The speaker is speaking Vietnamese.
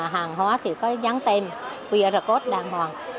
hàng hóa thì có dán tem qr code đàng hoàng